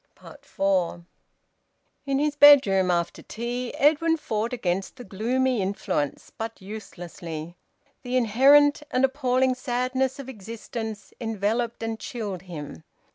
FOUR. In his bedroom, after tea, Edwin fought against the gloomy influence, but uselessly. The inherent and appalling sadness of existence enveloped and chilled him.